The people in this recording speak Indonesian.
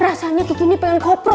rasanya tuh gini pengen koprol gitu mbak